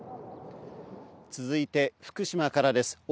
続いて福島からです。